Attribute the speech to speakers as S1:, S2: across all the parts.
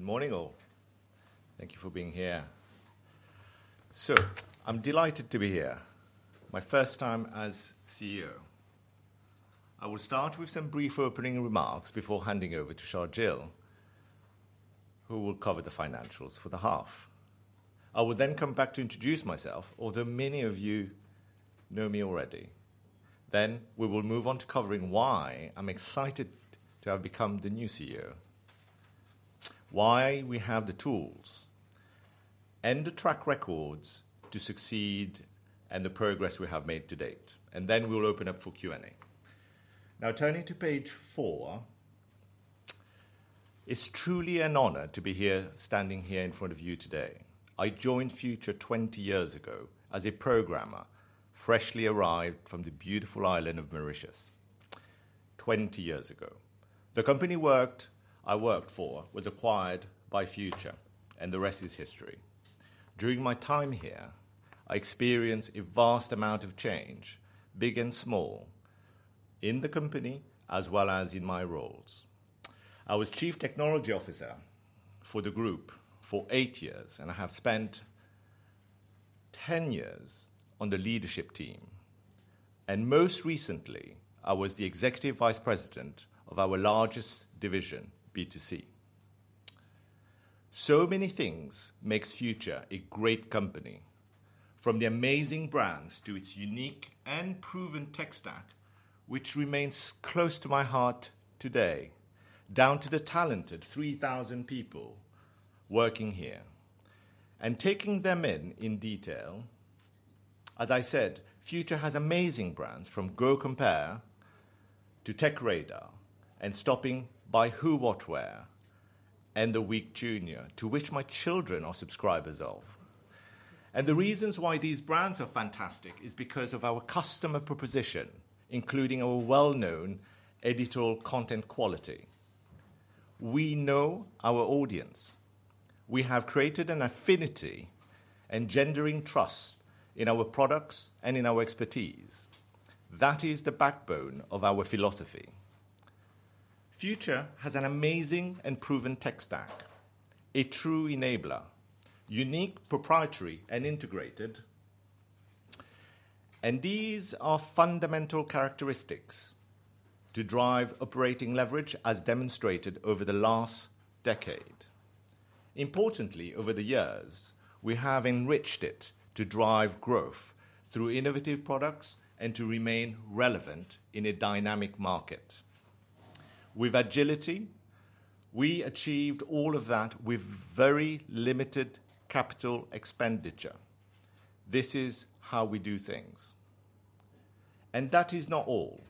S1: Good morning all. Thank you for being here. I'm delighted to be here. My first time as CEO. I will start with some brief opening remarks before handing over to Sharjeel, who will cover the financials for the half. I will then come back to introduce myself, although many of you know me already. We will move on to covering why I'm excited to have become the new CEO, why we have the tools and the track records to succeed, and the progress we have made to date. We will open up for Q&A. Now, turning to page four, it's truly an honor to be here, standing here in front of you today. I joined Future 20 years ago as a programmer, freshly arrived from the beautiful island of Mauritius, 20 years ago. The company I worked for was acquired by Future, and the rest is history. During my time here, I experienced a vast amount of change, big and small, in the company as well as in my roles. I was Chief Technology Officer for the group for eight years, and I have spent 10 years on the leadership team. Most recently, I was the Executive Vice President of our largest division, B2C. So many things make Future a great company, from the amazing brands to its unique and proven tech stack, which remains close to my heart today, down to the talented 3,000 people working here. Taking them in, in detail, as I said, Future has amazing brands from GoCompare, to TechRadar, and stopping by WhoWhatWear, and The Week Junior, to which my children are subscribers of. The reasons why these brands are fantastic is because of our customer proposition, including our well-known editorial content quality. We know our audience. We have created an affinity and engendering trust in our products and in our expertise. That is the backbone of our philosophy. Future has an amazing and proven tech stack, a true enabler, unique, proprietary, and integrated. These are fundamental characteristics to drive operating leverage, as demonstrated over the last decade. Importantly, over the years, we have enriched it to drive growth through innovative products and to remain relevant in a dynamic market. With agility, we achieved all of that with very limited capital expenditure. This is how we do things. That is not all.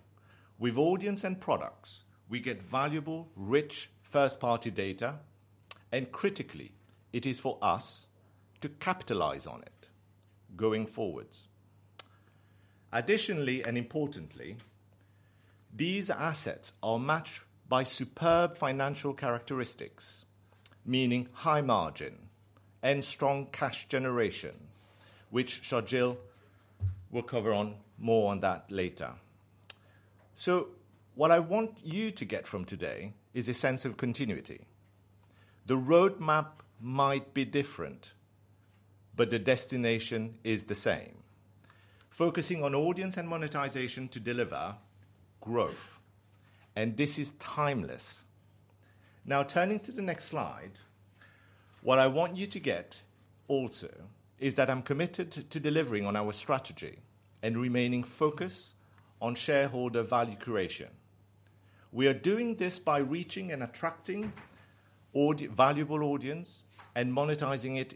S1: With audience and products, we get valuable, rich first-party data, and critically, it is for us to capitalize on it going forwards. Additionally, and importantly, these assets are matched by superb financial characteristics, meaning high margin and strong cash generation, which Sharjeel will cover more on that later. What I want you to get from today is a sense of continuity. The roadmap might be different, but the destination is the same, focusing on audience and monetization to deliver growth. This is timeless. Now, turning to the next slide, what I want you to get also is that I'm committed to delivering on our strategy and remaining focused on shareholder value creation. We are doing this by reaching and attracting valuable audience and monetizing it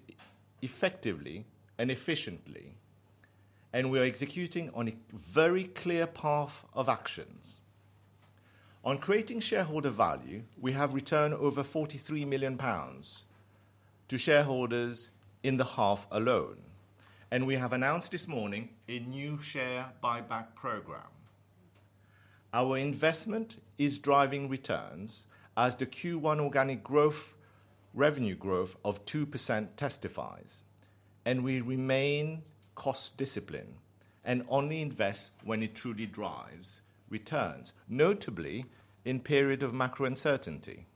S1: effectively and efficiently. We are executing on a very clear path of actions. On creating shareholder value, we have returned over 43 million pounds to shareholders in the half alone. We have announced this morning a new share buyback program. Our investment is driving returns as the Q1 organic revenue growth of 2% testifies. We remain cost-disciplined and only invest when it truly drives returns, notably in periods of macro uncertainty.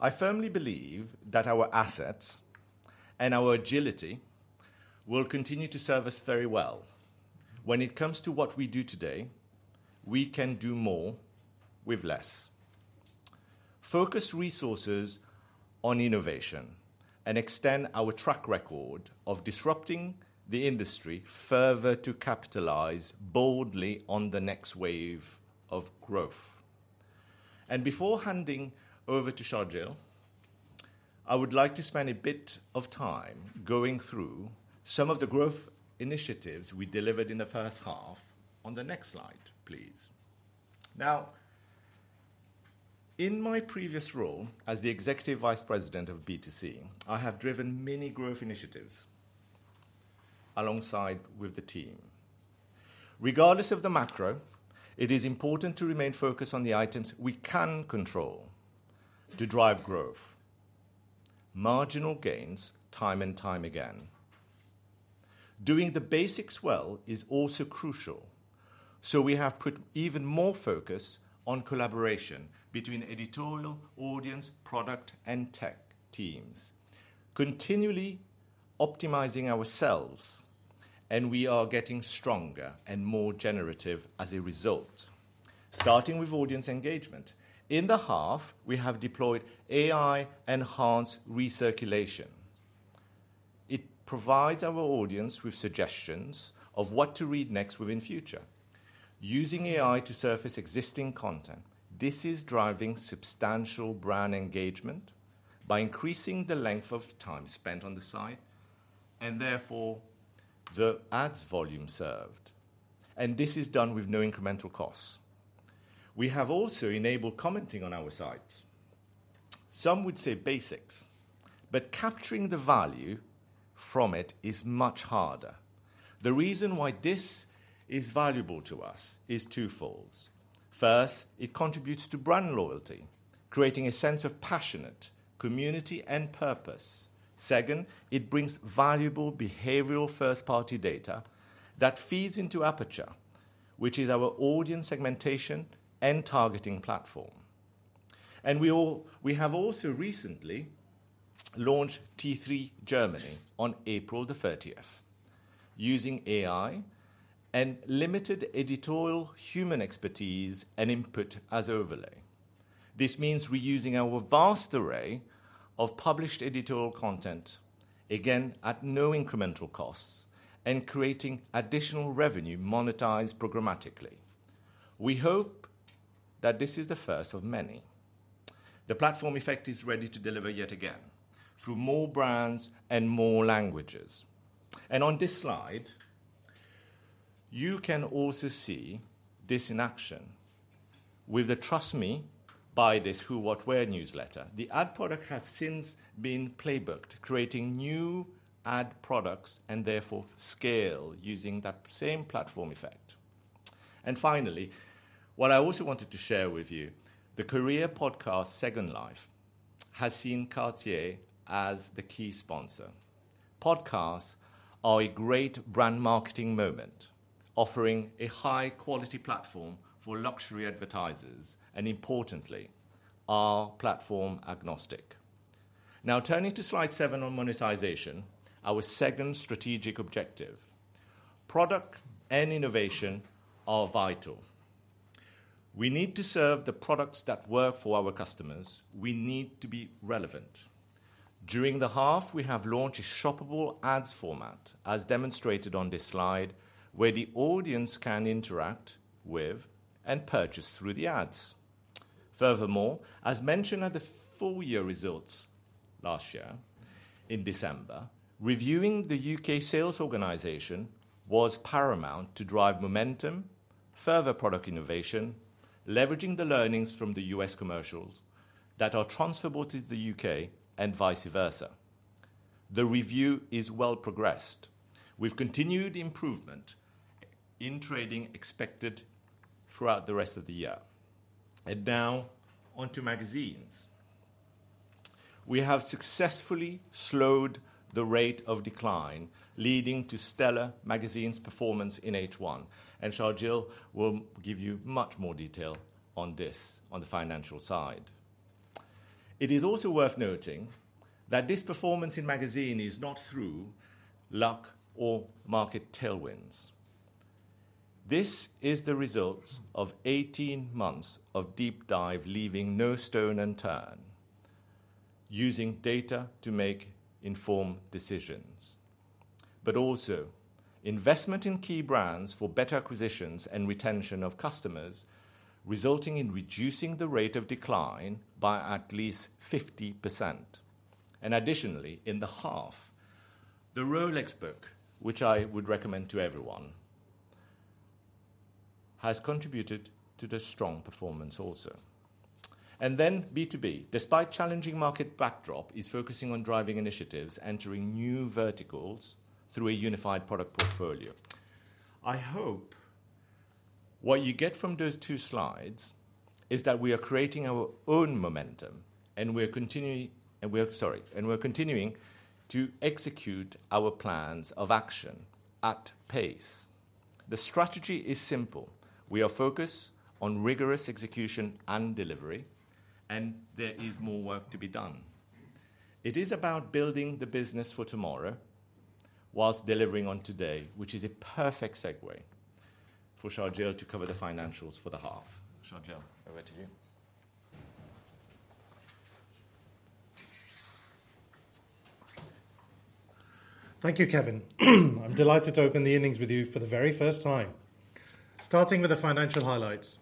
S1: I firmly believe that our assets and our agility will continue to serve us very well. When it comes to what we do today, we can do more with less. Focus resources on innovation and extend our track record of disrupting the industry further to capitalize boldly on the next wave of growth. Before handing over to Sharjeel, I would like to spend a bit of time going through some of the growth initiatives we delivered in the first half on the next slide, please. Now, in my previous role as the Executive Vice President of B2C, I have driven many growth initiatives alongside the team. Regardless of the macro, it is important to remain focused on the items we can control to drive growth, marginal gains time and time again. Doing the basics well is also crucial. We have put even more focus on collaboration between editorial, audience, product, and tech teams, continually optimizing ourselves. We are getting stronger and more generative as a result, starting with audience engagement. In the half, we have deployed AI-enhanced recirculation. It provides our audience with suggestions of what to read next within Future. Using AI to surface existing content, this is driving substantial brand engagement by increasing the length of time spent on the site and therefore the ads volume served. This is done with no incremental costs. We have also enabled commenting on our sites. Some would say basics, but capturing the value from it is much harder. The reason why this is valuable to us is twofold. First, it contributes to brand loyalty, creating a sense of passion, community, and purpose. Second, it brings valuable behavioral first-party data that feeds into Aperture, which is our audience segmentation and targeting platform. We have also recently launched T3 Germany on April 30th, using AI and limited editorial human expertise and input as overlay. This means reusing our vast array of published editorial content, again, at no incremental costs, and creating additional revenue monetized programmatically. We hope that this is the first of many. The platform effect is ready to deliver yet again through more brands and more languages. On this slide, you can also see this in action with the "Trust Me, Buy This Who What Wear" newsletter. The ad product has since been playbooked, creating new ad products and therefore scale using that same platform effect. Finally, what I also wanted to share with you, the career podcast "Second Life" has seen Cartier as the key sponsor. Podcasts are a great brand marketing moment, offering a high-quality platform for luxury advertisers and, importantly, are platform agnostic. Now, turning to slide seven on monetization, our second strategic objective. Product and innovation are vital. We need to serve the products that work for our customers. We need to be relevant. During the half, we have launched a shoppable ads format, as demonstrated on this slide, where the audience can interact with and purchase through the ads. Furthermore, as mentioned at the full year results last year in December, reviewing the U.K. sales organization was paramount to drive momentum, further product innovation, leveraging the learnings from the U.S. commercials that are transferable to the U.K. and vice versa. The review is well progressed. We have continued improvement in trading expected throughout the rest of the year. Now onto magazines. We have successfully slowed the rate of decline, leading to stellar magazines' performance in H1. Sharjeel will give you much more detail on this on the financial side. It is also worth noting that this performance in magazine is not through luck or market tailwinds. This is the result of 18 months of deep dive, leaving no stone unturned, using data to make informed decisions, but also investment in key brands for better acquisitions and retention of customers, resulting in reducing the rate of decline by at least 50%. Additionally, in the half, the Rolex Book, which I would recommend to everyone, has contributed to the strong performance also. B2B, despite challenging market backdrop, is focusing on driving initiatives, entering new verticals through a unified product portfolio. I hope what you get from those two slides is that we are creating our own momentum and we are continuing to execute our plans of action at pace. The strategy is simple. We are focused on rigorous execution and delivery, and there is more work to be done. It is about building the business for tomorrow whilst delivering on today, which is a perfect segue for Sharjeel to cover the financials for the half. Sharjeel, over to you.
S2: Thank you, Kevin. I'm delighted to open the evenings with you for the very first time. Starting with the financial highlights,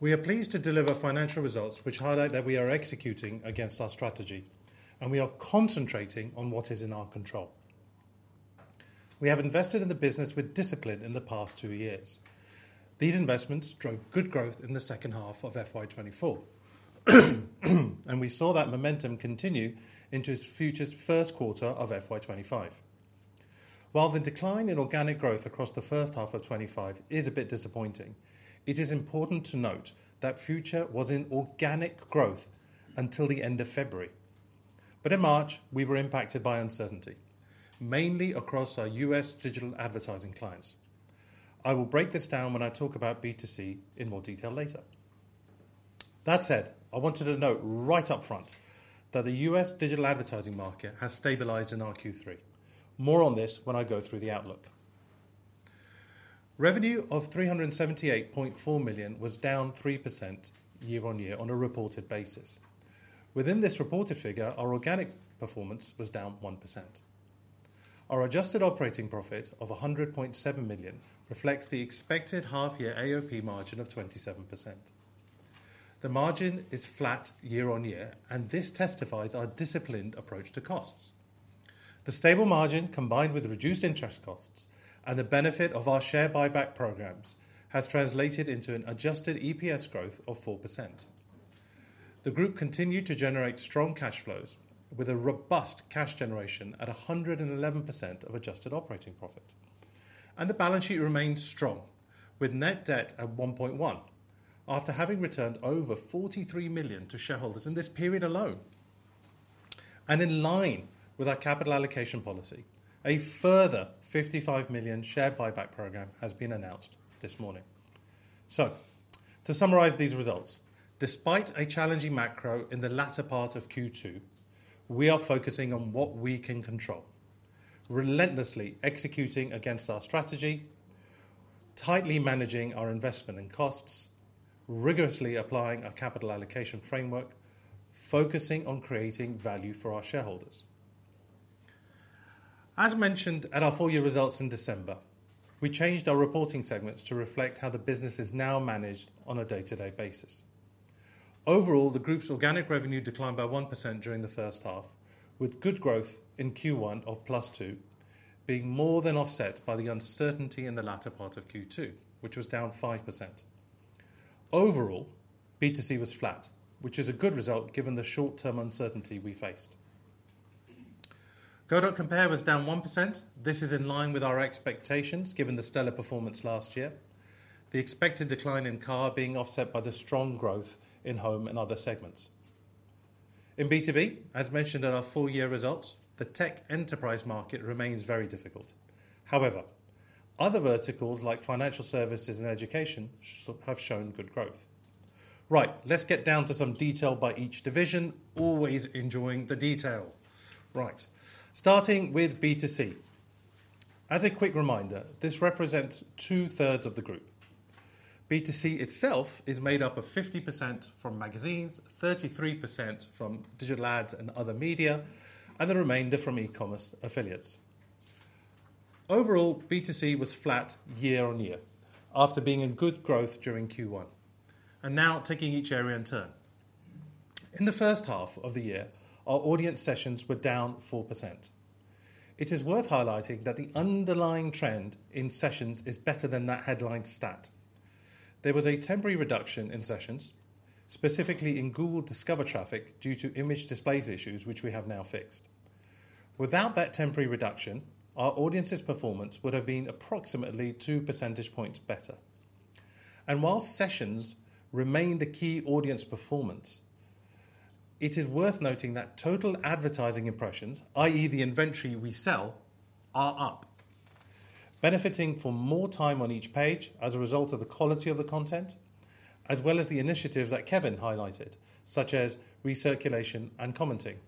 S2: we are pleased to deliver financial results which highlight that we are executing against our strategy, and we are concentrating on what is in our control. We have invested in the business with discipline in the past two years. These investments drove good growth in the second half of FY 2024, and we saw that momentum continue into Future's first quarter of FY 2025. While the decline in organic growth across the first half of 2025 is a bit disappointing, it is important to note that Future was in organic growth until the end of February. In March, we were impacted by uncertainty, mainly across our U.S. digital advertising clients. I will break this down when I talk about B2C in more detail later. That said, I wanted to note right up front that the U.S. digital advertising market has stabilized in our Q3. More on this when I go through the outlook. Revenue of 378.4 million was down 3% year-on-year on a reported basis. Within this reported figure, our organic performance was down 1%. Our adjusted operating profit of 100.7 million reflects the expected half-year AOP margin of 27%. The margin is flat year-on-year, and this testifies to our disciplined approach to costs. The stable margin, combined with reduced interest costs and the benefit of our share buyback programs, has translated into an adjusted EPS growth of 4%. The group continued to generate strong cash flows with a robust cash generation at 111% of adjusted operating profit. The balance sheet remained strong with net debt at 1.1 million after having returned over 43 million to shareholders in this period alone. In line with our capital allocation policy, a further 55 million share buyback program has been announced this morning. To summarize these results, despite a challenging macro in the latter part of Q2, we are focusing on what we can control, relentlessly executing against our strategy, tightly managing our investment and costs, rigorously applying our capital allocation framework, focusing on creating value for our shareholders. As mentioned at our full year results in December, we changed our reporting segments to reflect how the business is now managed on a day-to-day basis. Overall, the group's organic revenue declined by 1% during the first half, with good growth in Q1 of +2%, being more than offset by the uncertainty in the latter part of Q2, which was down 5%. Overall, B2C was flat, which is a good result given the short-term uncertainty we faced. Go.Compare was down 1%. This is in line with our expectations given the stellar performance last year, the expected decline in car being offset by the strong growth in home and other segments. In B2B, as mentioned in our full year results, the tech enterprise market remains very difficult. However, other verticals like financial services and education have shown good growth. Right, let's get down to some detail by each division, always enjoying the detail. Right, starting with B2C. As a quick reminder, this represents 2/3 of the group. B2C itself is made up of 50% from magazines, 33% from digital ads and other media, and the remainder from e-commerce affiliates. Overall, B2C was flat year-on-year after being in good growth during Q1 and now taking each area in turn. In the first half of the year, our audience sessions were down 4%. It is worth highlighting that the underlying trend in sessions is better than that headline stat. There was a temporary reduction in sessions, specifically in Google Discover traffic due to image display issues, which we have now fixed. Without that temporary reduction, our audience's performance would have been approximately 2 percentage points better. While sessions remain the key audience performance, it is worth noting that total advertising impressions, i.e., the inventory we sell, are up, benefiting from more time on each page as a result of the quality of the content, as well as the initiatives that Kevin highlighted, such as recirculation and commenting.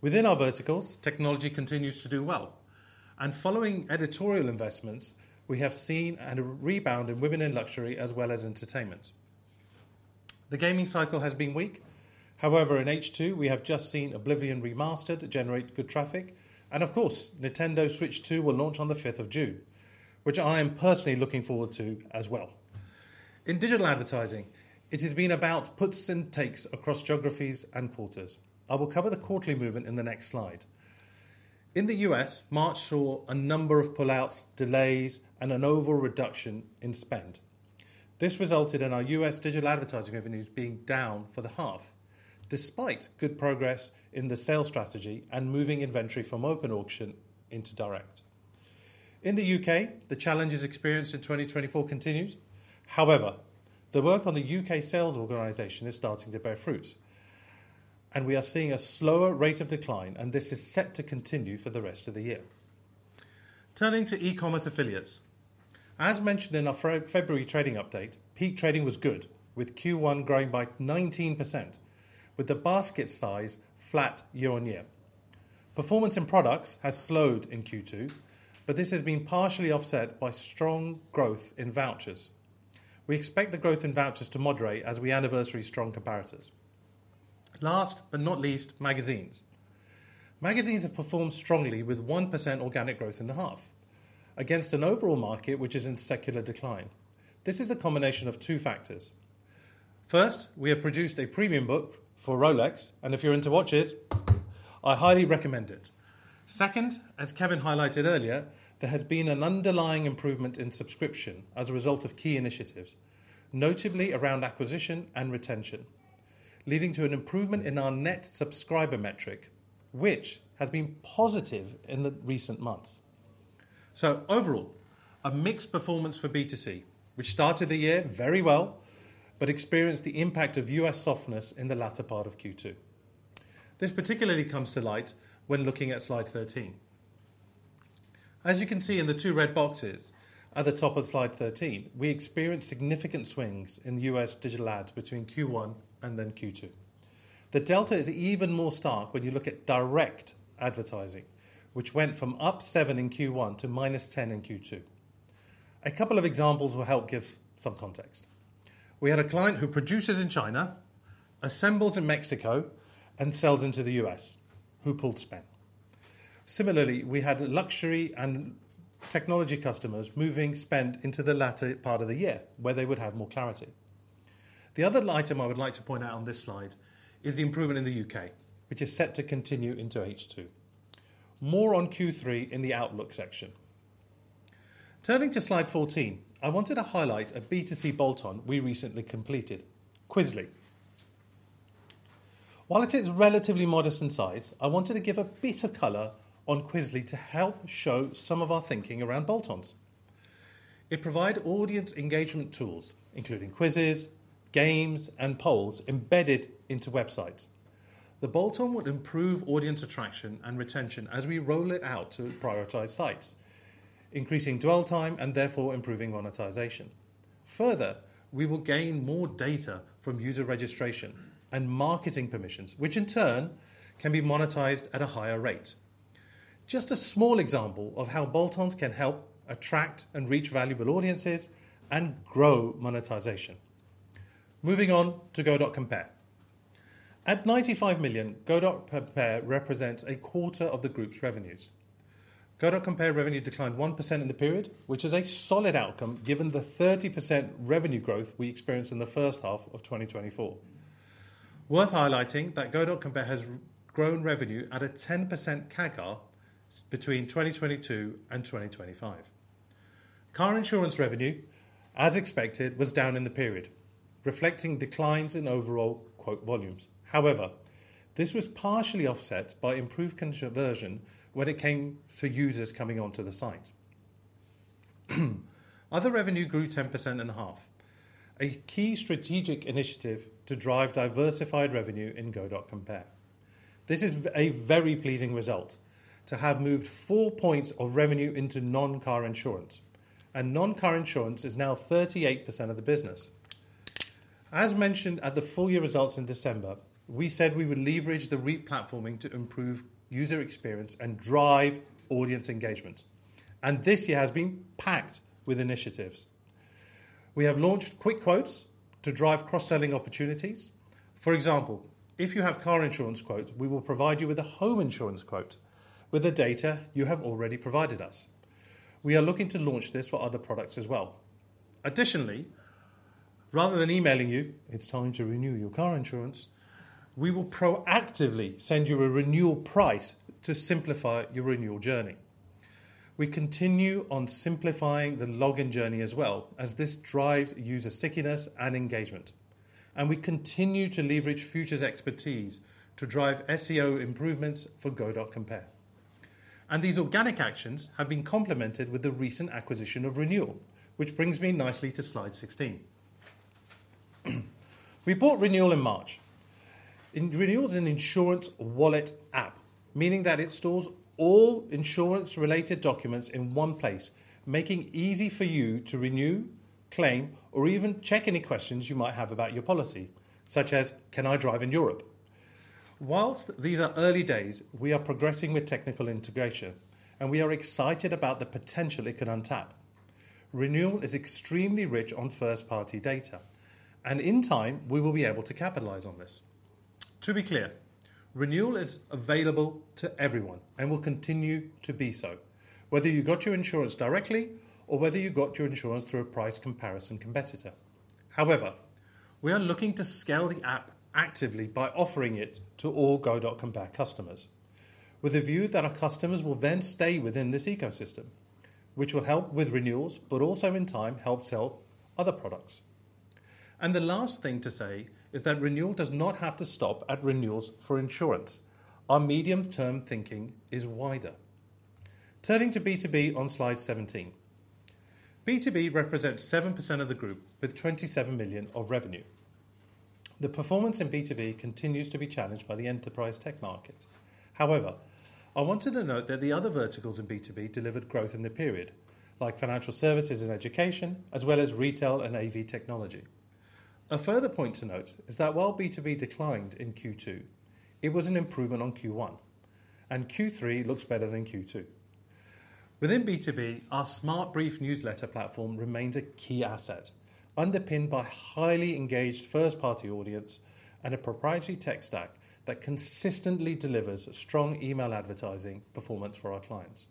S2: Within our verticals, technology continues to do well. Following editorial investments, we have seen a rebound in women in luxury as well as entertainment. The gaming cycle has been weak. However, in H2, we have just seen Oblivion Remastered generate good traffic. Of course, Nintendo Switch 2 will launch on the 5th of June, which I am personally looking forward to as well. In digital advertising, it has been about puts and takes across geographies and quarters. I will cover the quarterly movement in the next slide. In the U.S., March saw a number of pull-outs, delays, and an overall reduction in spend. This resulted in our U.S. digital advertising revenues being down for the half, despite good progress in the sales strategy and moving inventory from open auction into direct. In the U.K., the challenges experienced in 2024 continued. However, the work on the U.K. sales organization is starting to bear fruit, and we are seeing a slower rate of decline, and this is set to continue for the rest of the year. Turning to eCommerce affiliates, as mentioned in our February trading update, peak trading was good, with Q1 growing by 19%, with the basket size flat year-on-year. Performance in products has slowed in Q2, but this has been partially offset by strong growth in vouchers. We expect the growth in vouchers to moderate as we anniversary strong comparators. Last but not least, magazines. Magazines have performed strongly with 1% organic growth in the half against an overall market which is in secular decline. This is a combination of two factors. First, we have produced a premium book for Rolex, and if you're into watches, I highly recommend it. Second, as Kevin highlighted earlier, there has been an underlying improvement in subscription as a result of key initiatives, notably around acquisition and retention, leading to an improvement in our net subscriber metric, which has been positive in the recent months. Overall, a mixed performance for B2C, which started the year very well but experienced the impact of U.S. softness in the latter part of Q2. This particularly comes to light when looking at slide 13. As you can see in the two red boxes at the top of slide 13, we experienced significant swings in the U.S. digital ads between Q1 and then Q2. The delta is even more stark when you look at direct advertising, which went from up seven in Q1 to -10 in Q2. A couple of examples will help give some context. We had a client who produces in China, assembles in Mexico, and sells into the U.S., who pulled spend. Similarly, we had luxury and technology customers moving spend into the latter part of the year, where they would have more clarity. The other item I would like to point out on this slide is the improvement in the U.K., which is set to continue into H2. More on Q3 in the outlook section. Turning to slide 14, I wanted to highlight a B2C bolt-on we recently completed, Quizly. While it is relatively modest in size, I wanted to give a bit of color on Quizly to help show some of our thinking around bolt-ons. It provides audience engagement tools, including quizzes, games, and polls embedded into websites. The bolt-on would improve audience attraction and retention as we roll it out to prioritized sites, increasing dwell time and therefore improving monetization. Further, we will gain more data from user registration and marketing permissions, which in turn can be monetized at a higher rate. Just a small example of how bolt-ons can help attract and reach valuable audiences and grow monetization. Moving on to Go.Compare. At 95 million, Go.Compare represents a quarter of the group's revenues. Go.Compare revenue declined 1% in the period, which is a solid outcome given the 30% revenue growth we experienced in the first half of 2024. Worth highlighting that Go.Compare has grown revenue at a 10% CAGR between 2022 and 2025. Car insurance revenue, as expected, was down in the period, reflecting declines in overall "volumes." However, this was partially offset by improved conversion when it came to users coming onto the site. Other revenue grew 10% in the half, a key strategic initiative to drive diversified revenue in Go.Compare. This is a very pleasing result to have moved four percentage points of revenue into non-car insurance, and non-car insurance is now 38% of the business. As mentioned at the full year results in December, we said we would leverage the re-platforming to improve user experience and drive audience engagement. This year has been packed with initiatives. We have launched quick quotes to drive cross-selling opportunities. For example, if you have car insurance quotes, we will provide you with a home insurance quote with the data you have already provided us. We are looking to launch this for other products as well. Additionally, rather than emailing you, it's time to renew your car insurance, we will proactively send you a renewal price to simplify your renewal journey. We continue on simplifying the login journey as well, as this drives user stickiness and engagement. We continue to leverage Future's expertise to drive SEO improvements for Go.Compare. These organic actions have been complemented with the recent acquisition of RNWL, which brings me nicely to slide 16. We bought RNWL in March. RNWL is an insurance wallet app, meaning that it stores all insurance-related documents in one place, making it easy for you to renew, claim, or even check any questions you might have about your policy, such as, "Can I drive in Europe?" Whilst these are early days, we are progressing with technical integration, and we are excited about the potential it can untap. Renewal is extremely rich on first-party data, and in time, we will be able to capitalize on this. To be clear, RNWL is available to everyone and will continue to be so, whether you got your insurance directly or whether you got your insurance through a price comparison competitor. However, we are looking to scale the app actively by offering it to all Go.Compare customers, with a view that our customers will then stay within this ecosystem, which will help with renewals, but also in time help sell other products. The last thing to say is that RNWL does not have to stop at renewals for insurance. Our medium-term thinking is wider. Turning to B2B on slide 17. B2B represents 7% of the group with 27 million of revenue. The performance in B2B continues to be challenged by the enterprise tech market. However, I wanted to note that the other verticals in B2B delivered growth in the period, like financial services and education, as well as retail and AV technology. A further point to note is that while B2B declined in Q2, it was an improvement on Q1, and Q3 looks better than Q2. Within B2B, our SmartBrief newsletter platform remains a key asset, underpinned by a highly engaged first-party audience and a proprietary tech stack that consistently delivers strong email advertising performance for our clients.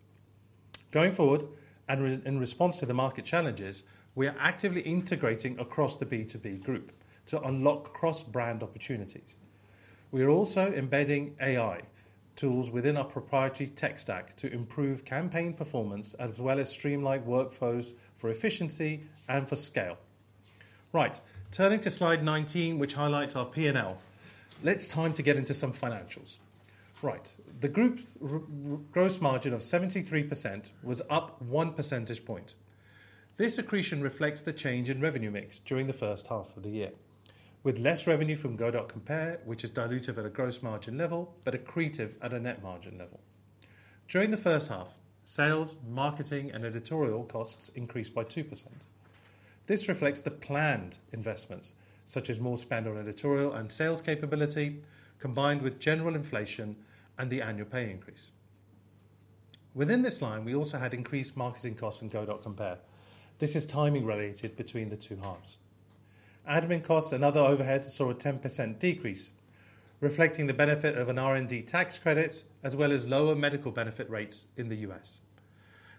S2: Going forward, and in response to the market challenges, we are actively integrating across the B2B group to unlock cross-brand opportunities. We are also embedding AI tools within our proprietary tech stack to improve campaign performance as well as streamline workflows for efficiency and for scale. Right, turning to slide 19, which highlights our P&L, it's time to get into some financials. Right, the group's gross margin of 73% was up 1 percentage point. This accretion reflects the change in revenue mix during the first half of the year, with less revenue from Go.Compare, which is dilutive at a gross margin level but accretive at a net margin level. During the first half, sales, marketing, and editorial costs increased by 2%. This reflects the planned investments, such as more spend on editorial and sales capability, combined with general inflation and the annual pay increase. Within this line, we also had increased marketing costs in Go.Compare. This is timing-related between the two halves. Admin costs and other overheads saw a 10% decrease, reflecting the benefit of R&D tax credits as well as lower medical benefit rates in the U.S..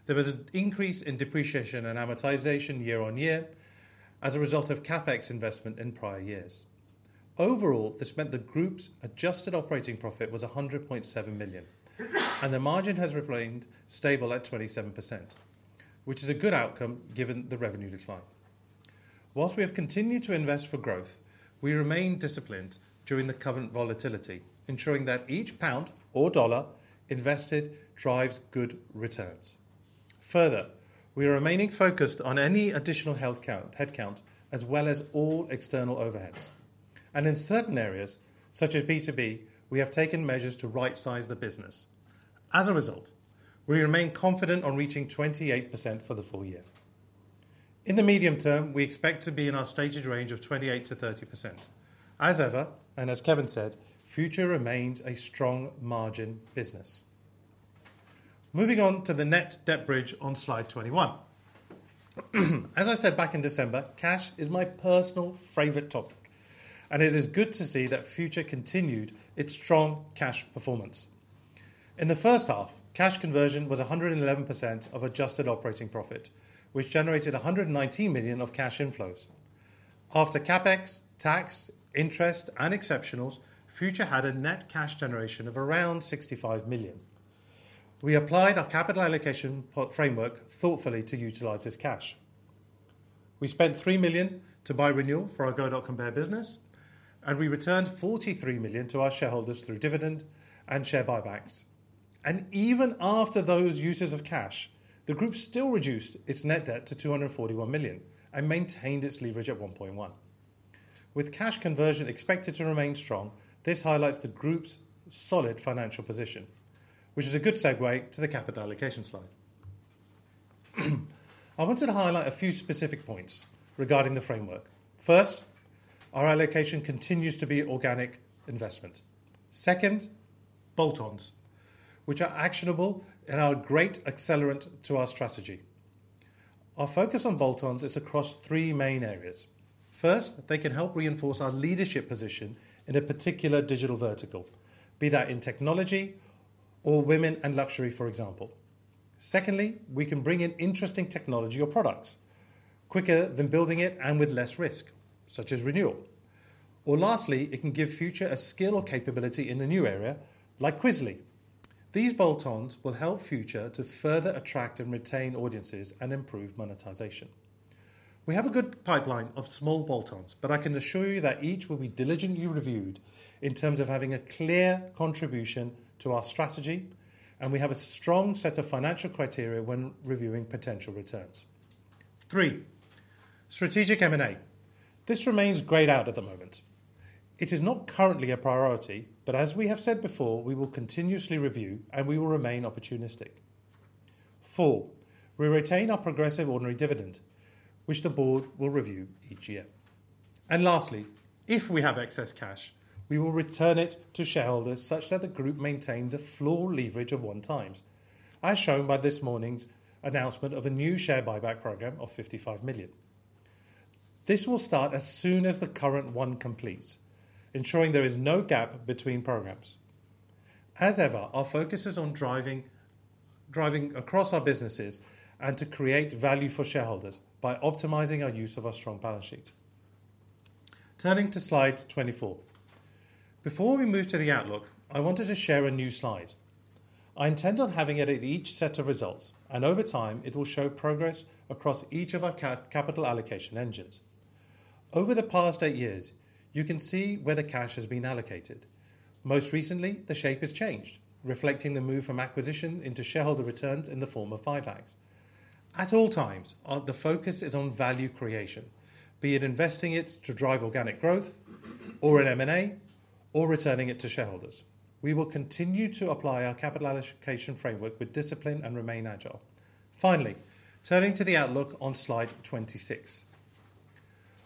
S2: There was an increase in depreciation and amortization year-on-year as a result of CapEx investment in prior years. Overall, this meant the group's adjusted operating profit was 100.7 million, and the margin has remained stable at 27%, which is a good outcome given the revenue decline. Whilst we have continued to invest for growth, we remain disciplined during the current volatility, ensuring that each pound or dollar invested drives good returns. Further, we are remaining focused on any additional headcount as well as all external overheads. In certain areas, such as B2B, we have taken measures to right-size the business. As a result, we remain confident on reaching 28% for the full year. In the medium term, we expect to be in our stated range of 28%-30%. As ever, and as Kevin said, Future remains a strong margin business. Moving on to the net debt bridge on slide 21. As I said back in December, cash is my personal favorite topic, and it is good to see that Future continued its strong cash performance. In the first half, cash conversion was 111% of adjusted operating profit, which generated 119 million of cash inflows. After CapEx, tax, interest, and exceptionals, Future had a net cash generation of around 65 million. We applied our capital allocation framework thoughtfully to utilize this cash. We spent 3 million to buy RNWL for our Go.Compare business, and we returned 43 million to our shareholders through dividend and share buybacks. Even after those uses of cash, the group still reduced its net debt to 241 million and maintained its leverage at 1.1. With cash conversion expected to remain strong, this highlights the group's solid financial position, which is a good segue to the capital allocation slide. I wanted to highlight a few specific points regarding the framework. First, our allocation continues to be organic investment. Second, bolt-ons, which are actionable and are a great accelerant to our strategy. Our focus on bolt-ons is across three main areas. First, they can help reinforce our leadership position in a particular digital vertical, be that in technology or women and luxury, for example. Secondly, we can bring in interesting technology or products quicker than building it and with less risk, such as RNWL. Lastly, it can give Future a skill or capability in a new area like Quizly. These bolt-ons will help Future to further attract and retain audiences and improve monetization. We have a good pipeline of small bolt-ons, but I can assure you that each will be diligently reviewed in terms of having a clear contribution to our strategy, and we have a strong set of financial criteria when reviewing potential returns. Three, strategic M&A. This remains greyed out at the moment. It is not currently a priority, but as we have said before, we will continuously review, and we will remain opportunistic. Four, we retain our progressive ordinary dividend, which the board will review each year. Lastly, if we have excess cash, we will return it to shareholders such that the group maintains a floor leverage of one time, as shown by this morning's announcement of a new share buyback program of 55 million. This will start as soon as the current one completes, ensuring there is no gap between programs. As ever, our focus is on driving across our businesses and to create value for shareholders by optimizing our use of our strong balance sheet. Turning to slide 24. Before we move to the outlook, I wanted to share a new slide. I intend on having it at each set of results, and over time, it will show progress across each of our capital allocation engines. Over the past eight years, you can see where the cash has been allocated. Most recently, the shape has changed, reflecting the move from acquisition into shareholder returns in the form of buybacks. At all times, the focus is on value creation, be it investing it to drive organic growth, or an M&A, or returning it to shareholders. We will continue to apply our capital allocation framework with discipline and remain agile. Finally, turning to the outlook on slide 26.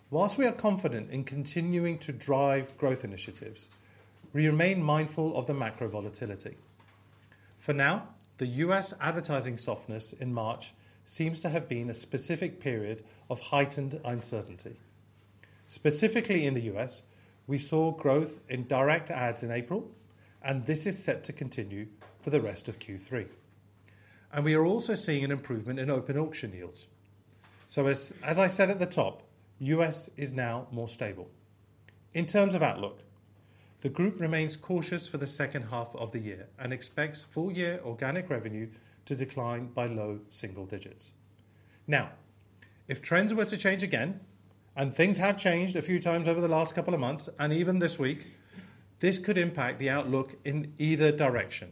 S2: Whilst we are confident in continuing to drive growth initiatives, we remain mindful of the macro volatility. For now, the U.S. advertising softness in March seems to have been a specific period of heightened uncertainty. Specifically in the U.S., we saw growth in direct ads in April, and this is set to continue for the rest of Q3. We are also seeing an improvement in open auction yields. As I said at the top, U.S. is now more stable. In terms of outlook, the group remains cautious for the second half of the year and expects full-year organic revenue to decline by low single digits. If trends were to change again, and things have changed a few times over the last couple of months, and even this week, this could impact the outlook in either direction.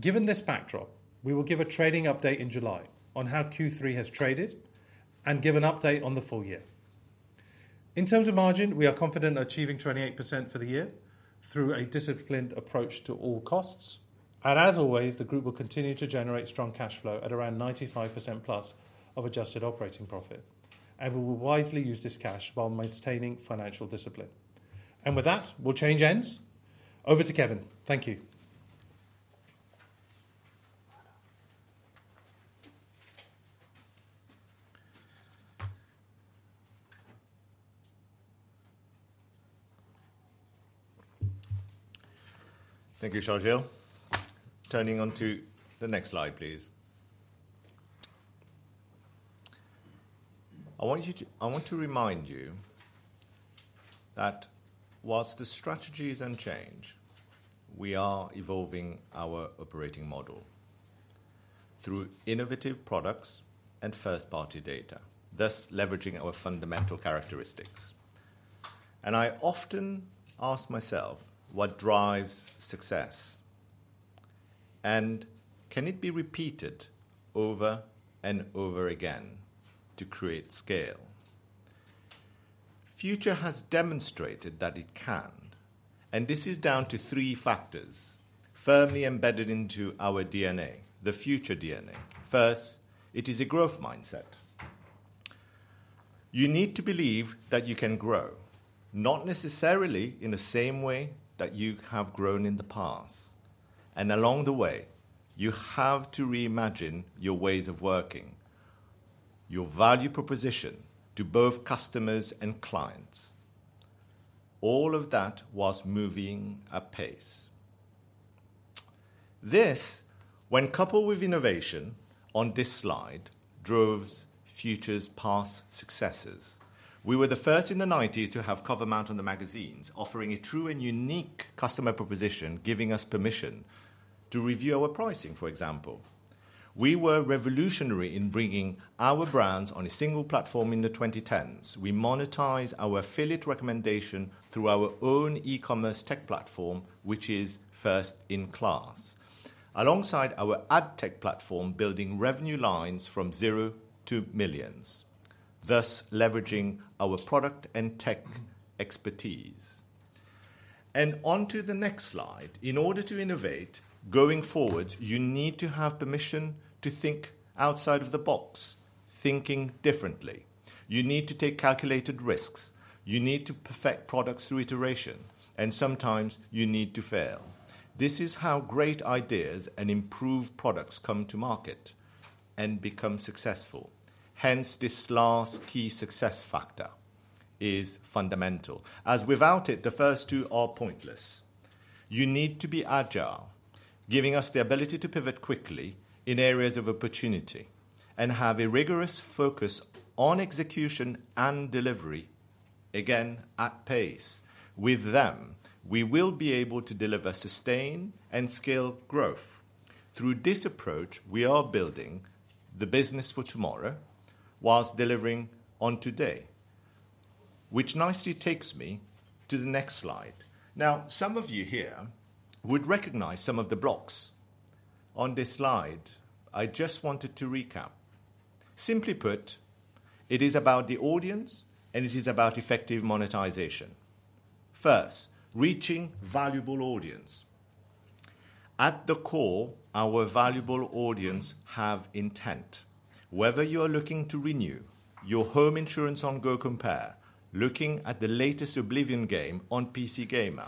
S2: Given this backdrop, we will give a trading update in July on how Q3 has traded and give an update on the full year. In terms of margin, we are confident in achieving 28% for the year through a disciplined approach to all costs. The group will continue to generate strong cash flow at around 95% plus of adjusted operating profit, and we will wisely use this cash while maintaining financial discipline. With that, we'll change ends. Over to Kevin. Thank you.
S1: Thank you, Sharjeel. Turning on to the next slide, please. I want to remind you that whilst the strategy is unchanged, we are evolving our operating model through innovative products and first-party data, thus leveraging our fundamental characteristics. I often ask myself, what drives success? Can it be repeated over and over again to create scale? Future has demonstrated that it can, and this is down to three factors firmly embedded into our DNA, the Future DNA. First, it is a growth mindset. You need to believe that you can grow, not necessarily in the same way that you have grown in the past. Along the way, you have to reimagine your ways of working, your value proposition to both customers and clients. All of that whilst moving at pace. This, when coupled with innovation on this slide, drove Future's past successes. We were the first in the 1990s to have cover amount on the magazines, offering a true and unique customer proposition, giving us permission to review our pricing, for example. We were revolutionary in bringing our brands on a single platform in the 2010s. We monetize our affiliate recommendation through our own eCommerce tech platform, which is first in class, alongside our ad tech platform, building revenue lines from zero to millions, thus leveraging our product and tech expertise. On to the next slide. In order to innovate going forwards, you need to have permission to think outside of the box, thinking differently. You need to take calculated risks. You need to perfect products through iteration, and sometimes you need to fail. This is how great ideas and improved products come to market and become successful. Hence, this last key success factor is fundamental, as without it, the first two are pointless. You need to be agile, giving us the ability to pivot quickly in areas of opportunity and have a rigorous focus on execution and delivery, again, at pace. With them, we will be able to deliver sustained and scaled growth. Through this approach, we are building the business for tomorrow whilst delivering on today, which nicely takes me to the next slide. Now, some of you here would recognize some of the blocks on this slide. I just wanted to recap. Simply put, it is about the audience, and it is about effective monetization. First, reaching valuable audience. At the core, our valuable audience have intent. Whether you are looking to renew your home insurance on GoCompare, looking at the latest Oblivion game on PC Gamer,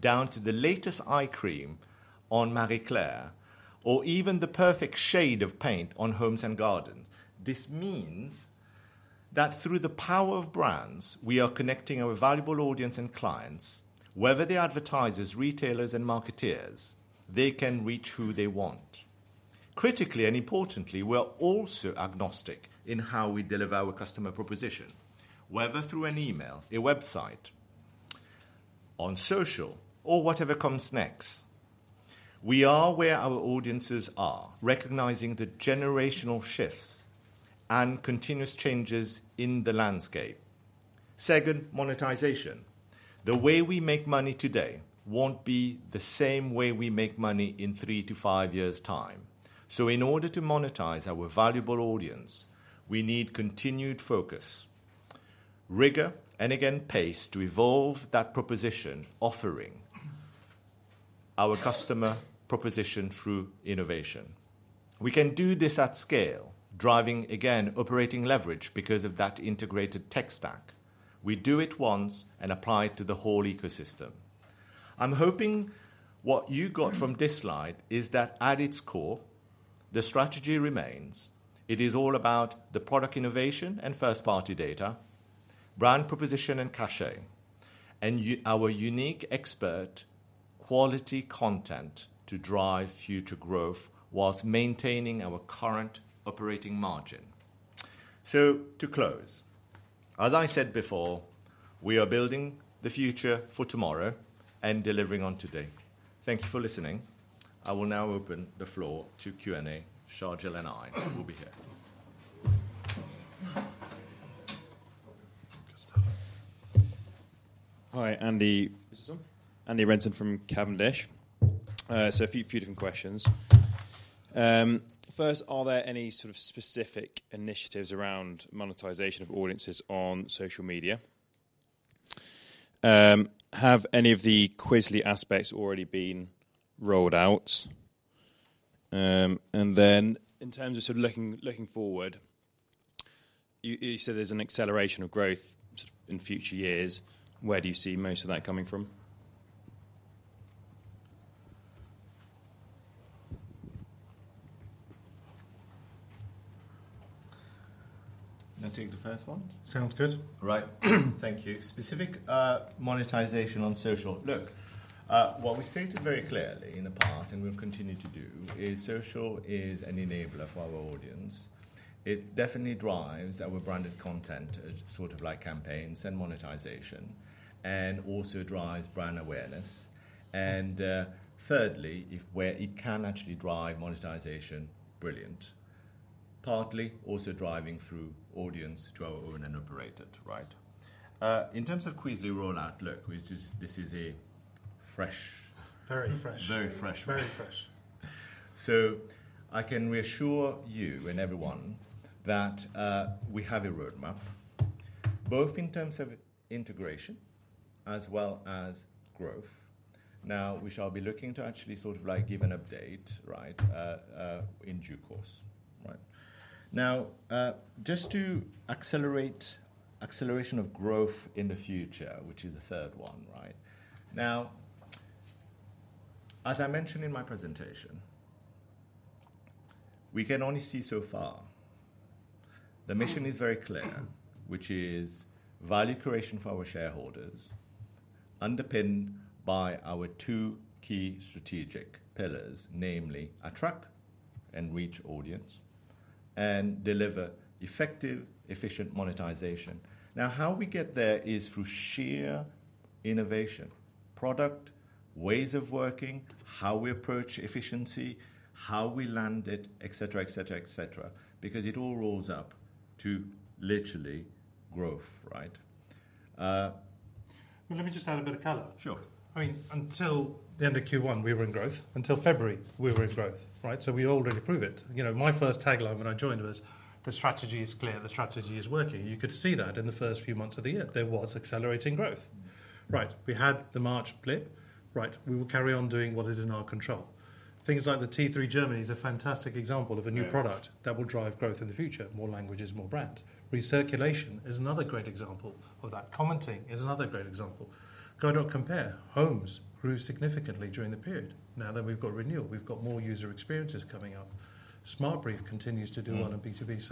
S1: down to the latest eye cream on Marie Claire, or even the perfect shade of paint on Homes and Gardens, this means that through the power of brands, we are connecting our valuable audience and clients. Whether they are advertisers, retailers, and marketeers, they can reach who they want. Critically and importantly, we are also agnostic in how we deliver our customer proposition, whether through an email, a website, on social, or whatever comes next. We are where our audiences are, recognizing the generational shifts and continuous changes in the landscape. Second, monetization. The way we make money today won't be the same way we make money in three to five years' time. In order to monetize our valuable audience, we need continued focus, rigor, and again, pace to evolve that proposition, offering our customer proposition through innovation. We can do this at scale, driving, again, operating leverage because of that integrated tech stack. We do it once and apply it to the whole ecosystem. I am hoping what you got from this slide is that at its core, the strategy remains. It is all about the product innovation and first-party data, brand proposition, and cachet, and our unique expert quality content to drive future growth whilst maintaining our current operating margin. To close, as I said before, we are building the future for tomorrow and delivering on today. Thank you for listening. I will now open the floor to Q&A. Sharjeel and I will be here.
S3: Hi, Andy.
S1: This is him.
S3: Andy Renton from Cavendish. A few different questions. First, are there any sort of specific initiatives around monetization of audiences on social media? Have any of the Quizly aspects already been rolled out? In terms of sort of looking forward, you said there's an acceleration of growth in future years. Where do you see most of that coming from?
S1: Can I take the first one?
S2: Sounds good.
S1: All right. Thank you. Specific monetization on social. Look, what we stated very clearly in the past, and we'll continue to do, is social is an enabler for our audience. It definitely drives our branded content, sort of like campaigns and monetization, and also drives brand awareness. Thirdly, where it can actually drive monetization, brilliant. Partly also driving through audience to our own and operated, right? In terms of Quizly rollout, look, this is fresh.
S2: Very fresh.
S1: Very fresh.
S2: Very fresh.
S1: I can reassure you and everyone that we have a roadmap, both in terms of integration as well as growth. Now, we shall be looking to actually sort of like give an update, right, in due course, right? Just to accelerate acceleration of growth in the future, which is the third one, right? As I mentioned in my presentation, we can only see so far. The mission is very clear, which is value creation for our shareholders, underpinned by our two key strategic pillars, namely attract and reach audience, and deliver effective, efficient monetization. How we get there is through sheer innovation, product, ways of working, how we approach efficiency, how we land it, etc., etc., etc., because it all rolls up to literally growth, right?
S2: Let me just add a bit of color.
S1: Sure.
S2: I mean, until the end of Q1, we were in growth. Until February, we were in growth, right? We already proved it. My first tagline when I joined was, "The strategy is clear. The strategy is working." You could see that in the first few months of the year. There was accelerating growth, right? We had the March blip, right? We will carry on doing what is in our control. Things like the T3 Germany is a fantastic example of a new product that will drive growth in the future, more languages, more brands. Recirculation is another great example of that. Commenting is another great example. Go.Compare, Homes grew significantly during the period. Now that we have RNWL, we have more user experiences coming up. SmartBrief continues to do well in B2B.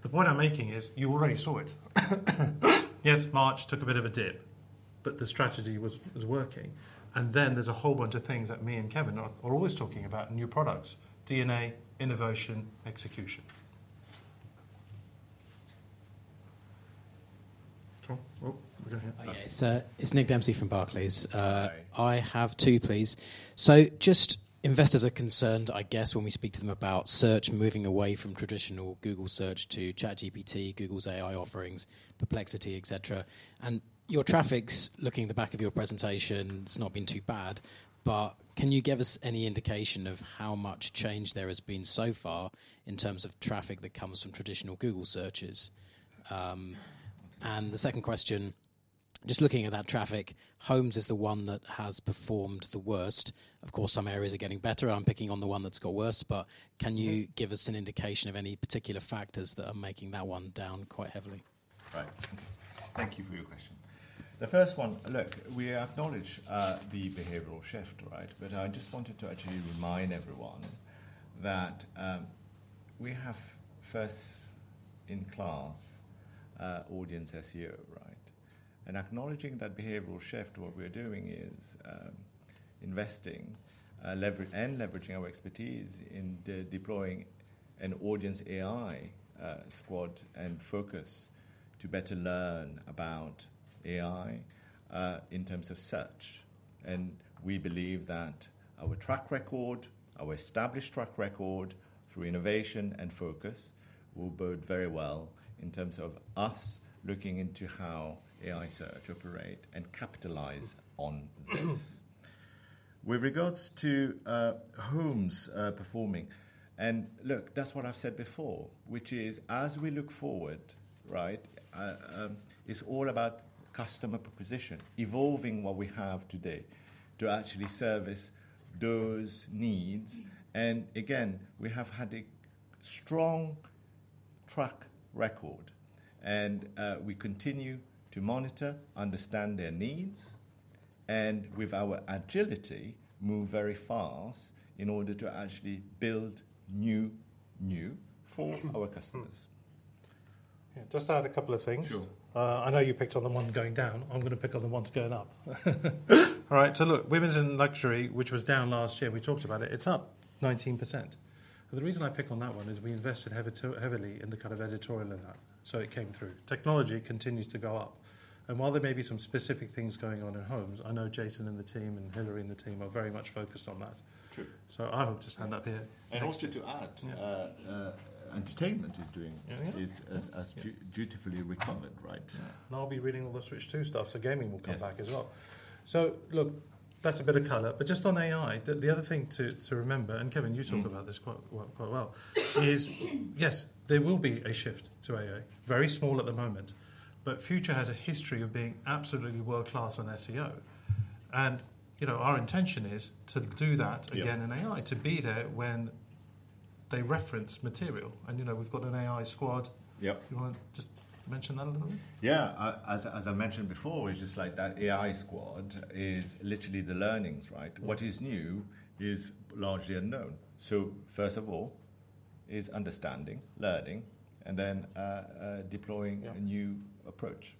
S2: The point I am making is you already saw it. Yes, March took a bit of a dip, but the strategy was working. There is a whole bunch of things that me and Kevin are always talking about, new products, DNA, innovation, execution.
S1: Oh, we are going to hear it.
S4: It is Nick Dempsey from Barclays. I have two, please. Just, investors are concerned, I guess, when we speak to them about search moving away from traditional Google search to ChatGPT, Google's AI offerings, Perplexity, etc. Your traffic, looking at the back of your presentation, it has not been too bad, but can you give us any indication of how much change there has been so far in terms of traffic that comes from traditional Google searches? The second question, just looking at that traffic, Homes is the one that has performed the worst. Of course, some areas are getting better. I'm picking on the one that's got worse, but can you give us an indication of any particular factors that are making that one down quite heavily?
S1: Right. Thank you for your question. The first one, look, we acknowledge the behavioral shift, right? I just wanted to actually remind everyone that we have first-in-class audience SEO, right? Acknowledging that behavioral shift, what we're doing is investing and leveraging our expertise in deploying an audience AI squad and focus to better learn about AI in terms of search. We believe that our track record, our established track record through innovation and focus will bode very well in terms of us looking into how AI search operates and capitalize on this. With regards to Homes performing, and look, that's what I've said before, which is as we look forward, right, it's all about customer proposition, evolving what we have today to actually service those needs. Again, we have had a strong track record, and we continue to monitor, understand their needs, and with our agility, move very fast in order to actually build new, new for our customers.
S2: Yeah, just to add a couple of things.
S1: Sure.
S2: I know you picked on the one going down. I'm going to pick on the ones going up. All right. Women's and Luxury, which was down last year, we talked about it. It's up 19%. The reason I pick on that one is we invested heavily in the kind of editorial in that, so it came through. Technology continues to go up. While there may be some specific things going on in Homes, I know Jason in the team and Hillary in the team are very much focused on that.
S1: True.
S2: I hope to stand up here.
S1: Also, to add, entertainment is dutifully recovered, right? Yeah. I'll be reading all the Switch 2 stuff, so gaming will come back as well.
S2: That's a bit of color. Just on AI, the other thing to remember, and Kevin, you talk about this quite well, is yes, there will be a shift to AI, very small at the moment, but Future has a history of being absolutely world-class on SEO. Our intention is to do that again in AI, to be there when they reference material. We've got an AI squad.
S1: Yep.
S2: You want to just mention that a little bit?
S1: Yeah. As I mentioned before, it's just like that AI squad is literally the learnings, right? What is new is largely unknown. First of all, it is understanding, learning, and then deploying a new approach.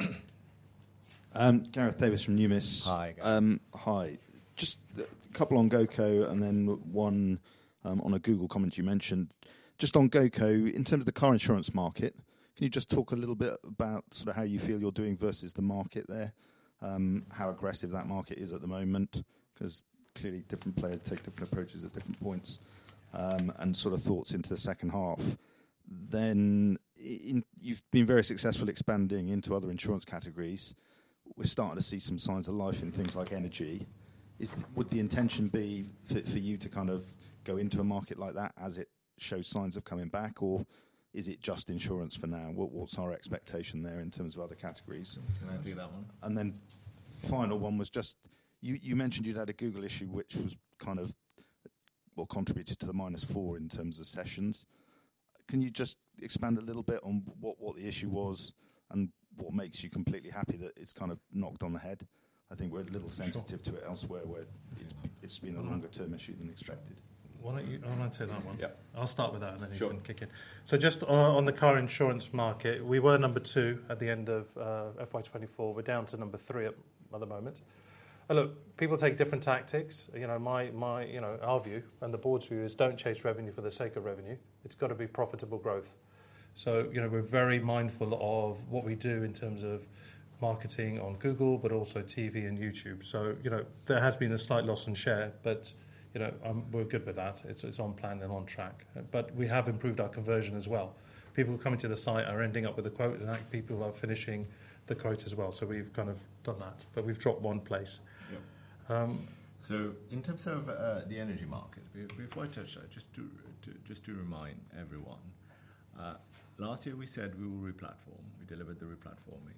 S1: Okay.
S5: Gareth Davies from Numis.
S1: Hi, Gareth.
S5: Hi. Just a couple on GoCo and then one on a Google comment you mentioned. Just on GoCo, in terms of the car insurance market, can you just talk a little bit about sort of how you feel you're doing versus the market there, how aggressive that market is at the moment? Because clearly different players take different approaches at different points and sort of thoughts into the second half. You have been very successful expanding into other insurance categories. We're starting to see some signs of life in things like energy. Would the intention be for you to kind of go into a market like that as it shows signs of coming back, or is it just insurance for now? What's our expectation there in terms of other categories?
S1: Can I take that one? And then final one was just you mentioned you'd had a Google issue, which was kind of what contributed to the minus four in terms of sessions. Can you just expand a little bit on what the issue was and what makes you completely happy that it's kind of knocked on the head? I think we're a little sensitive to it elsewhere. It's been a longer-term issue than expected.
S2: Why don't you take that one?
S1: Yeah.
S2: I'll start with that, and then you can kick in.
S1: Sure.
S2: So, just on the car insurance market, we were number two at the end of FY 2024. We're down to number three at the moment. Look, people take different tactics. Our view and the board's view is don't chase revenue for the sake of revenue. It's got to be profitable growth. We are very mindful of what we do in terms of marketing on Google, but also TV and YouTube. There has been a slight loss in share, but we're good with that. It's on plan and on track. We have improved our conversion as well. People coming to the site are ending up with a quote, and people are finishing the quote as well. We've kind of done that, but we've dropped one place.
S1: In terms of the energy market, before I touch that, just to remind everyone, last year we said we will replatform. We delivered the replatforming.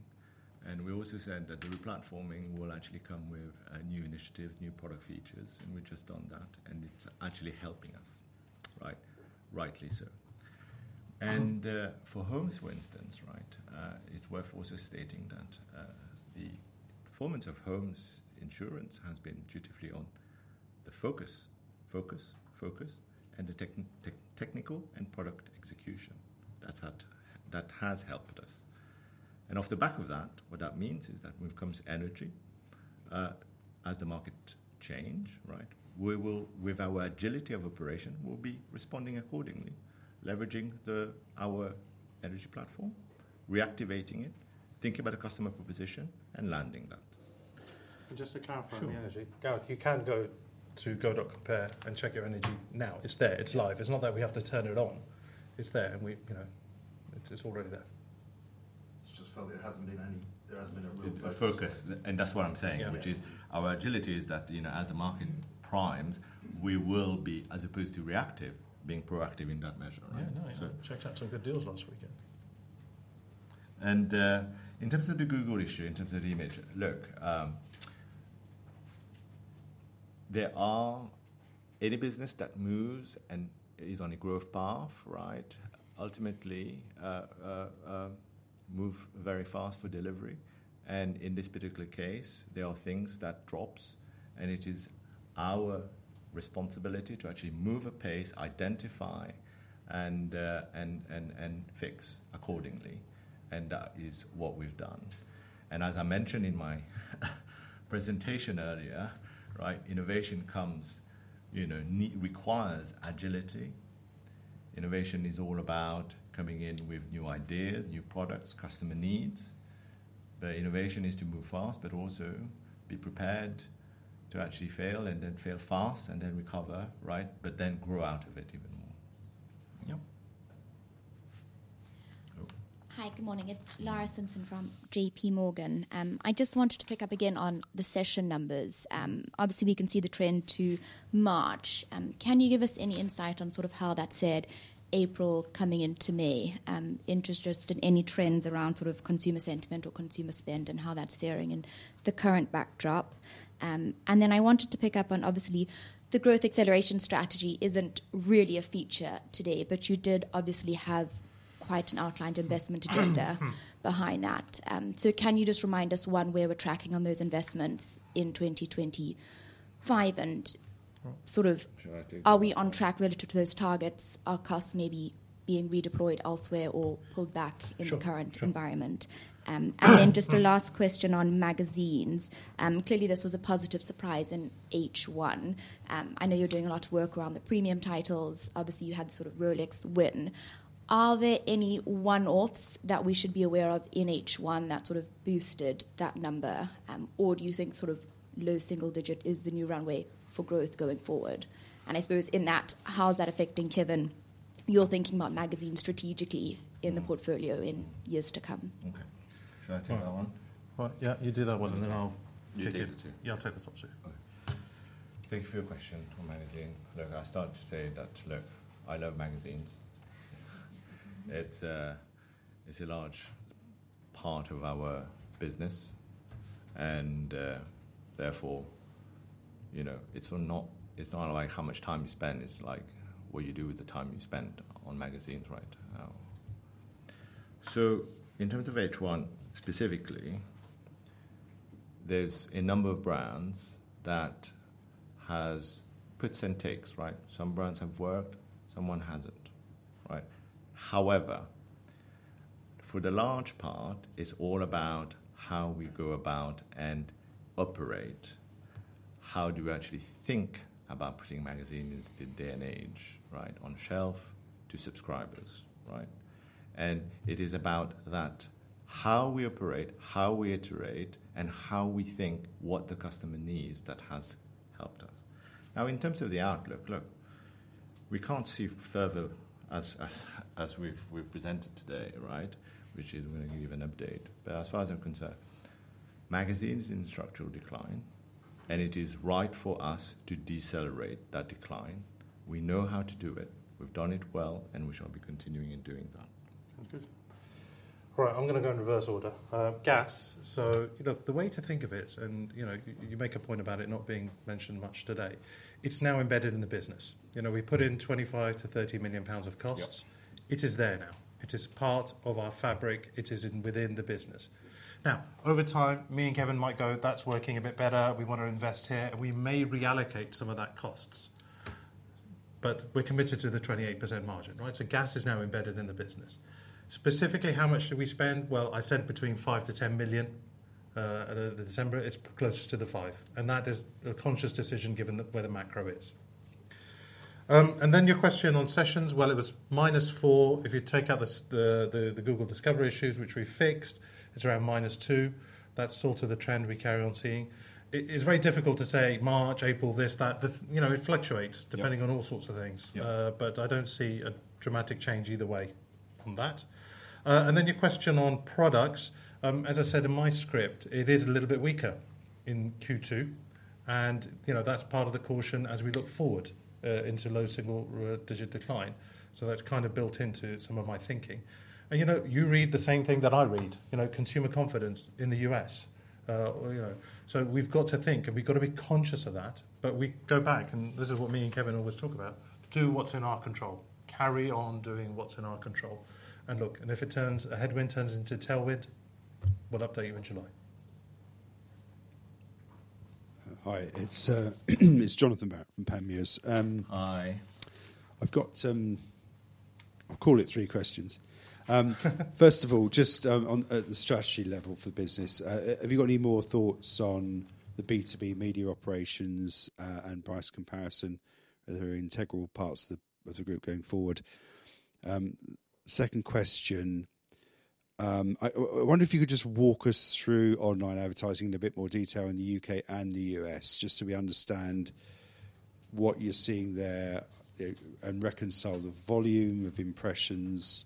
S1: We also said that the replatforming will actually come with new initiatives, new product features, and we have just done that, and it is actually helping us, right? Rightly so. For Homes, for instance, it is worth also stating that the performance of Homes insurance has been dutifully on the focus, focus, focus, and the technical and product execution. That has helped us. Off the back of that, what that means is that when it comes to energy, as the market changes, with our agility of operation, we will be responding accordingly, leveraging our energy platform, reactivating it, thinking about a customer proposition, and landing that.
S2: Just to clarify on the energy, Gareth, you can go to Go.Compare and check your energy now. It is there. It is live. It is not that we have to turn it on. It is there, and it is already there.
S5: It just felt there has not been a real focus.
S1: That is what I am saying, which is our agility is that as the market primes, we will be, as opposed to reactive, being proactive in that measure, right?
S2: Yeah, no, yeah. Checked out some good deals last weekend.
S1: In terms of the Google issue, in terms of the image, look, any business that moves and is on a growth path ultimately moves very fast for delivery. In this particular case, there are things that drop, and it is our responsibility to actually move at pace, identify, and fix accordingly. That is what we have done. As I mentioned in my presentation earlier, innovation requires agility. Innovation is all about coming in with new ideas, new products, customer needs. The innovation is to move fast, but also be prepared to actually fail and then fail fast and then recover, right, but then grow out of it even more. Yep.
S6: Hi, good morning. It's Lara Simpson from JPMorgan. I just wanted to pick up again on the session numbers. Obviously, we can see the trend to March. Can you give us any insight on sort of how that's fared April coming into May? Interest just in any trends around sort of consumer sentiment or consumer spend and how that's faring in the current backdrop. I wanted to pick up on, obviously, the growth acceleration strategy isn't really a feature today, but you did obviously have quite an outlined investment agenda behind that. Can you just remind us one way we're tracking on those investments in 2025 and sort of are we on track relative to those targets, are costs maybe being redeployed elsewhere or pulled back in the current environment? Just a last question on magazines. Clearly, this was a positive surprise in H1. I know you're doing a lot of work around the premium titles. Obviously, you had sort of Rolex win. Are there any one-offs that we should be aware of in H1 that sort of boosted that number, or do you think sort of low single digit is the new runway for growth going forward? I suppose in that, how is that affecting, Kevin, your thinking about magazines strategically in the portfolio in years to come?
S1: Okay. Should I take that one?
S2: Right. Yeah, you do that one, and then I'll kick it to you. Yeah, I'll take the top two.
S1: Thank you for your question on magazine. Look, I started to say that, look, I love magazines. It's a large part of our business, and therefore, it's not like how much time you spend. It's like what you do with the time you spend on magazines, right? In terms of H1 specifically, there's a number of brands that has puts and takes, right? Some brands have worked, someone hasn't, right? However, for the large part, it's all about how we go about and operate, how do we actually think about putting magazines in the day and age, right, on shelf to subscribers, right? It is about that, how we operate, how we iterate, and how we think what the customer needs that has helped us. Now, in terms of the outlook, look, we can't see further as we've presented today, right, which is we're going to give you an update. As far as I'm concerned, magazines are in structural decline, and it is right for us to decelerate that decline. We know how to do it. We've done it well, and we shall be continuing in doing that.
S2: Sounds good. All right. I'm going to go in reverse order. Gas. The way to think of it, and you make a point about it not being mentioned much today, it's now embedded in the business. We put in 25 million-30 million pounds of costs. It is there now. It is part of our fabric. It is within the business. Over time, me and Kevin might go, "That's working a bit better. We want to invest here. We may reallocate some of that costs, but we're committed to the 28% margin, right? Gas is now embedded in the business. Specifically, how much do we spend? I said between 5 million-10 million at the December. It is closer to the 5 million. That is a conscious decision given where the macro is. Your question on sessions, it was minus four. If you take out the Google discovery issues, which we fixed, it is around minus two. That is sort of the trend we carry on seeing. It is very difficult to say March, April, this, that. It fluctuates depending on all sorts of things. I do not see a dramatic change either way on that. Your question on products, as I said in my script, it is a little bit weaker in Q2. That's part of the caution as we look forward into low single digit decline. That's kind of built into some of my thinking. You read the same thing that I read, consumer confidence in the U.S.. We've got to think, and we've got to be conscious of that. We go back, and this is what me and Kevin always talk about, do what's in our control. Carry on doing what's in our control. If it turns, a headwind turns into tailwind, we'll update you in July.
S7: Hi. It's Johnathan Barrett from Panmure. I've got, I'll call it, three questions. First of all, just on the strategy level for the business, have you got any more thoughts on the B2B media operations and price comparison that are integral parts of the group going forward? Second question, I wonder if you could just walk us through online advertising in a bit more detail in the U.K. and the U.S., just so we understand what you're seeing there and reconcile the volume of impressions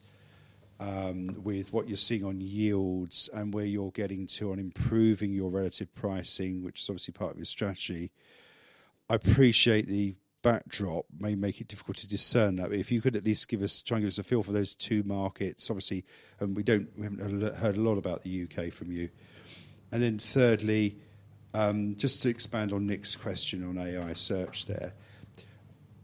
S7: with what you're seeing on yields and where you're getting to on improving your relative pricing, which is obviously part of your strategy. I appreciate the backdrop may make it difficult to discern that, but if you could at least try and give us a feel for those two markets, obviously, and we haven't heard a lot about the U.K. from you. Thirdly, just to expand on Nick's question on AI search there,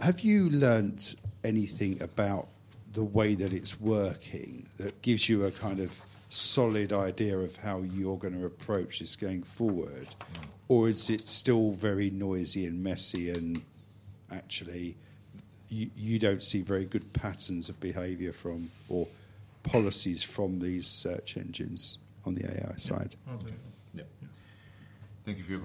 S7: have you learned anything about the way that it's working that gives you a kind of solid idea of how you're going to approach this going forward, or is it still very noisy and messy and actually you do not see very good patterns of behavior from or policies from these search engines on the AI side?
S2: I'll take it.
S1: Yep. Thank you for your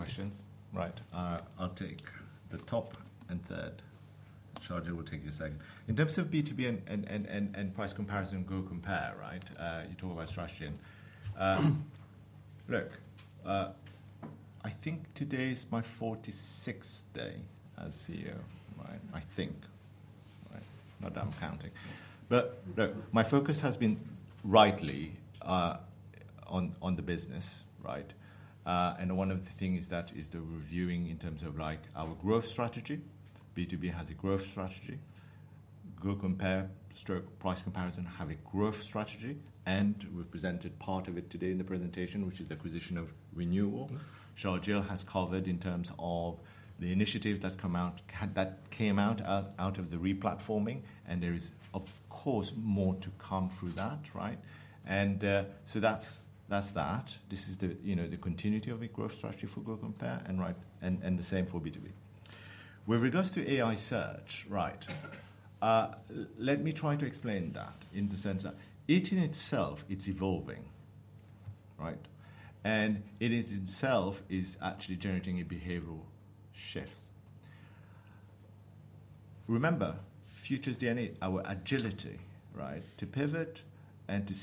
S1: questions. Right. I'll take the top and third. Sharjeel will take your second. In terms of B2B and price comparison and Google compare, right, you talk about strategy. Look, I think today is my 46th day as CEO, right? I think, right? Not that I'm counting. Look, my focus has been rightly on the business, right? One of the things that is the reviewing in terms of our growth strategy. B2B has a growth strategy. GoCompare stroke price comparison have a growth strategy. We presented part of it today in the presentation, which is the acquisition of RNWL. Sharjeel has covered in terms of the initiatives that came out of the replatforming. There is, of course, more to come through that, right? That is the continuity of the growth strategy for GoCompare and the same for B2B. With regards to AI search, let me try to explain that in the sense that it in itself, it is evolving, right? It in itself is actually generating a behavioral shift. Remember, Future's DNA, our agility, right, to pivot and to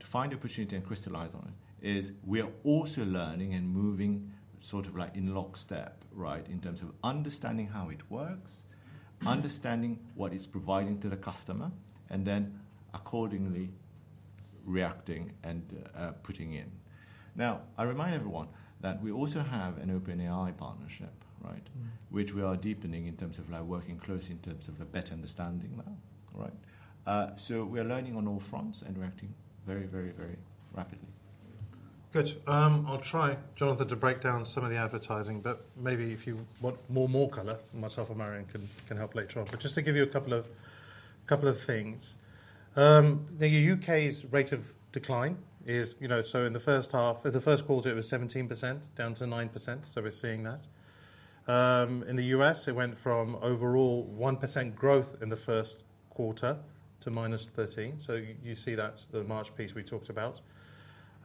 S1: find opportunity and crystallize on it is we are also learning and moving sort of like in lockstep, right, in terms of understanding how it works, understanding what it's providing to the customer, and then accordingly reacting and putting in. Now, I remind everyone that we also have an OpenAI partnership, right, which we are deepening in terms of working closely in terms of a better understanding now, right? We are learning on all fronts and reacting very, very, very rapidly.
S2: Good. I'll try, Johnathan, to break down some of the advertising, but maybe if you want more color, myself and Marion can help later on. Just to give you a couple of things. The U.K.'s rate of decline is, so in the first half, in the first quarter, it was 17% down to 9%. We're seeing that. In the U.S., it went from overall 1% growth in the first quarter to -13%. You see that's the March piece we talked about.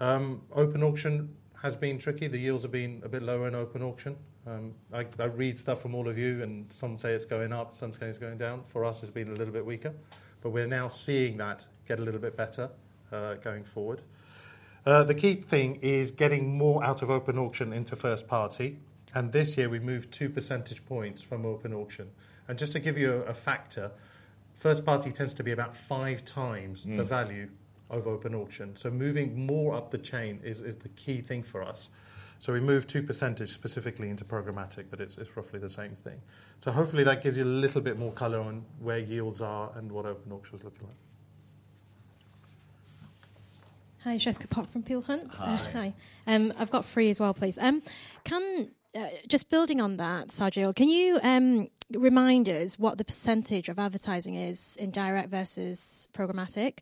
S2: Open auction has been tricky. The yields have been a bit lower in open auction. I read stuff from all of you, and some say it's going up, some say it's going down. For us, it's been a little bit weaker. We're now seeing that get a little bit better going forward. The key thing is getting more out of open auction into first party. This year, we moved two percentage points from open auction. Just to give you a factor, first party tends to be about five times the value of open auction. Moving more up the chain is the key thing for us. We moved 2 percentage specifically into programmatic, but it is roughly the same thing. Hopefully, that gives you a little bit more color on where yields are and what open auction is looking like.
S8: Hi, Jessica Pok from Peel Hunt.
S1: Hi.
S8: I have three as well, please. Just building on that, Sharjeel, can you remind us what the percentage of advertising is in direct versus programmatic?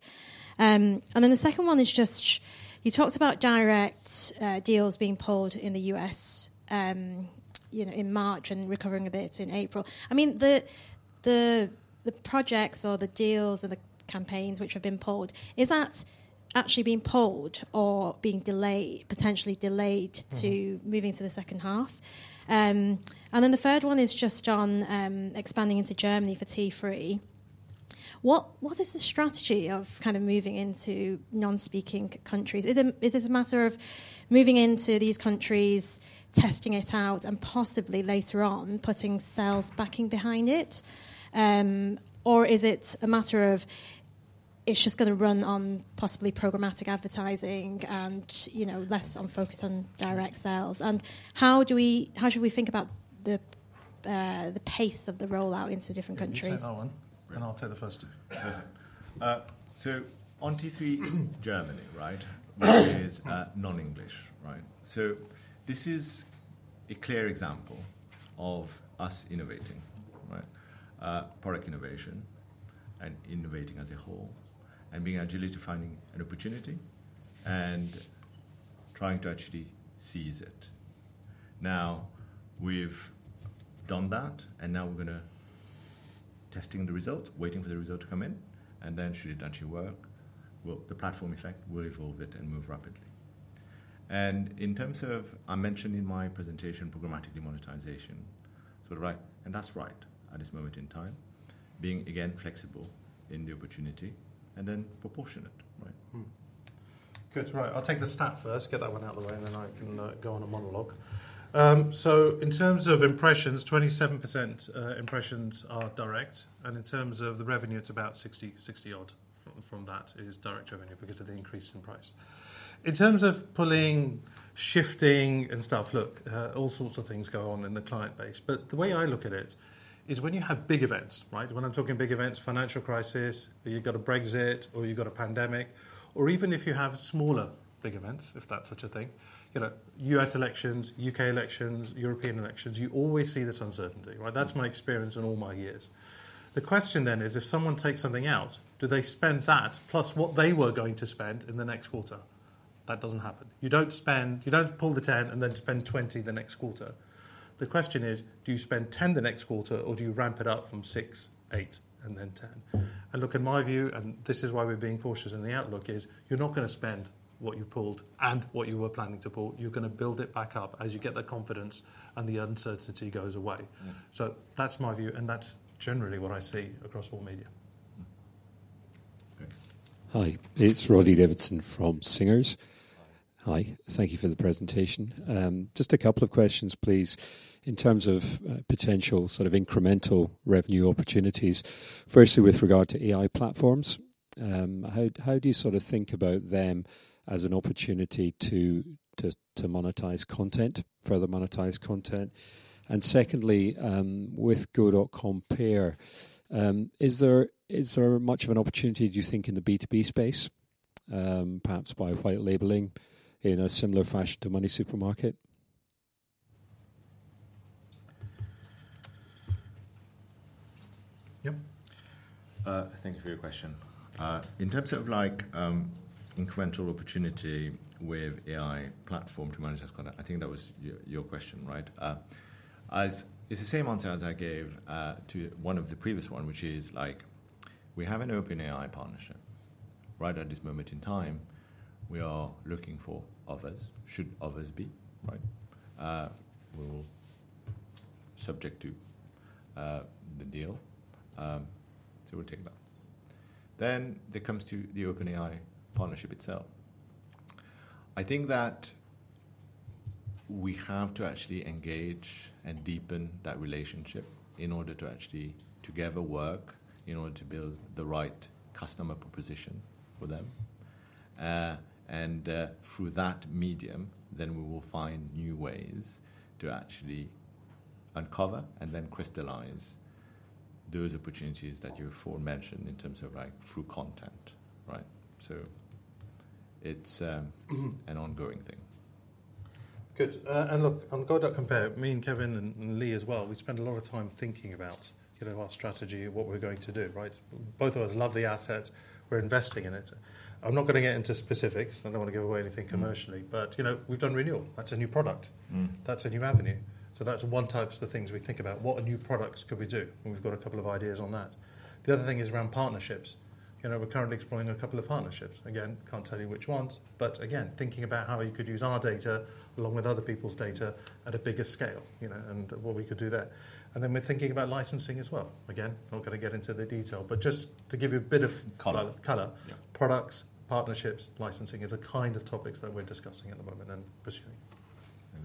S8: The second one is, you talked about direct deals being pulled in the U.S. in March and recovering a bit in April. I mean, the projects or the deals and the campaigns which have been pulled, is that actually being pulled or potentially delayed to moving to the second half? The third one is just on expanding into Germany for T3. What is the strategy of kind of moving into non-speaking countries? Is it a matter of moving into these countries, testing it out, and possibly later on putting sales backing behind it? Or is it a matter of it's just going to run on possibly programmatic advertising and less on focus on direct sales? How should we think about the pace of the rollout into different countries?
S1: I'll take that one. I'll take the first two.
S2: Perfect.
S1: On T3 Germany, which is non-English, this is a clear example of us innovating, product innovation and innovating as a whole and being agile to finding an opportunity and trying to actually seize it. Now, we've done that, and now we're going to test the results, waiting for the result to come in, and then should it actually work, the platform effect will evolve it and move rapidly. In terms of I mentioned in my presentation, programmatic demonetisation, sort of. That is right at this moment in time, being again flexible in the opportunity and then proportionate, right?
S2: Good. I will take the stat first, get that one out of the way, and then I can go on a monologue. In terms of impressions, 27% impressions are direct. In terms of the revenue, it is about 60-odd from that is direct revenue because of the increase in price. In terms of pulling, shifting and stuff, look, all sorts of things go on in the client base. The way I look at it is when you have big events, right? When I'm talking big events, financial crisis, you've got a Brexit or you've got a pandemic, or even if you have smaller big events, if that's such a thing, U.S. elections, U.K. elections, European elections, you always see this uncertainty, right? That's my experience in all my years. The question then is, if someone takes something out, do they spend that plus what they were going to spend in the next quarter? That does not happen. You do not pull the 10 and then spend 20 the next quarter. The question is, do you spend 10 the next quarter or do you ramp it up from 6, 8, and then 10? Look, in my view, and this is why we're being cautious in the outlook, is you're not going to spend what you pulled and what you were planning to pull. You're going to build it back up as you get the confidence and the uncertainty goes away. That's my view, and that's generally what I see across all media.
S9: Hi. It's Roddy Davidson from Singers.
S1: Hi.
S9: Hi. Thank you for the presentation. Just a couple of questions, please, in terms of potential sort of incremental revenue opportunities, firstly with regard to AI platforms. How do you sort of think about them as an opportunity to monetize content, further monetize content? And secondly, with Go.Compare, is there much of an opportunity, do you think, in the B2B space, perhaps by white labeling in a similar fashion to MoneySuperMarket?
S1: Yep. Thank you for your question. In terms of incremental opportunity with AI platform to monetize content, I think that was your question, right? It's the same answer as I gave to one of the previous ones, which is we have an OpenAI partnership, right? At this moment in time, we are looking for offers. Should offers be, right? We're subject to the deal. We will take that. It comes to the OpenAI partnership itself. I think that we have to actually engage and deepen that relationship in order to actually together work in order to build the right customer proposition for them. Through that medium, we will find new ways to actually uncover and then crystallize those opportunities that you've aforementioned in terms of through content, right? It's an ongoing thing.
S2: Good. On Go.Compare, me and Kevin and Lee as well, we spend a lot of time thinking about our strategy, what we're going to do, right? Both of us love the assets. We're investing in it. I'm not going to get into specifics. I don't want to give away anything commercially. We've done RNWL. That's a new product. That's a new avenue. That's one type of the things we think about. What new products could we do? We've got a couple of ideas on that. The other thing is around partnerships. We're currently exploring a couple of partnerships. Again, can't tell you which ones. Again, thinking about how you could use our data along with other people's data at a bigger scale and what we could do there. We're thinking about licensing as well. Again, not going to get into the detail, but just to give you a bit of color, products, partnerships, licensing is a kind of topics that we're discussing at the moment and pursuing.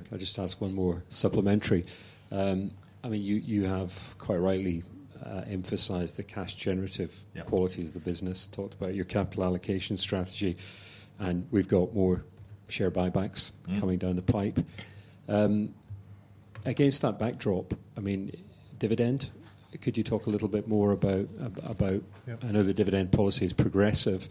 S9: Can I just ask one more supplementary? I mean, you have quite rightly emphasized the cash generative qualities of the business, talked about your capital allocation strategy, and we've got more share buybacks coming down the pipe. Against that backdrop, I mean, dividend, could you talk a little bit more about. I know the dividend policy is progressive,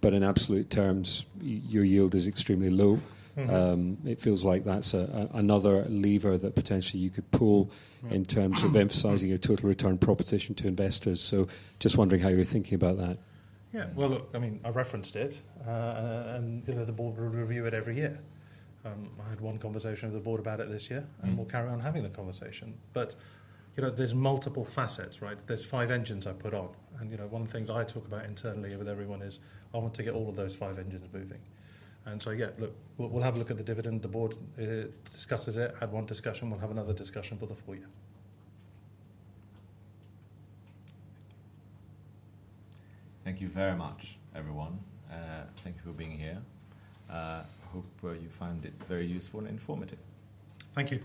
S9: but in absolute terms, your yield is extremely low. It feels like that's another lever that potentially you could pull in terms of emphasizing your total return proposition to investors. Just wondering how you're thinking about that.
S2: Yeah. Look, I mean, I referenced it, and the board will review it every year. I had one conversation with the board about it this year, and we'll carry on having the conversation. There's multiple facets, right? There's five engines I've put on. One of the things I talk about internally with everyone is I want to get all of those five engines moving. Yeah, look, we'll have a look at the dividend. The board discusses it, had one discussion. We'll have another discussion for the full year.
S1: Thank you very much, everyone. Thank you for being here. I hope you find it very useful and informative.
S2: Thank you.